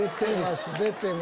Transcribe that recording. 出てます